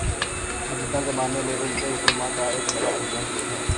موجودہ زمانے میں امتِ مسلمہ کا ایک بڑا المیہ یہ ہے